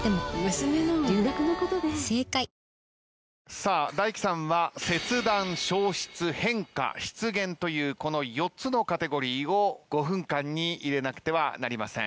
さあＤＡＩＫＩさんは切断消失変化出現というこの４つのカテゴリーを５分間に入れなくてはなりません。